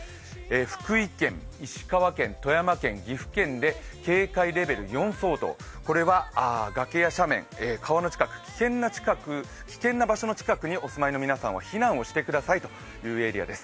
福井県、石川県、富山県、岐阜県で警戒レベル４相当、これは崖や斜面、川の近く危険な場所の近くにお住まいの皆さんは避難をしてくださいというエリアです。